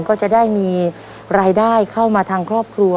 ก็จะได้มีรายได้เข้ามาทางครอบครัว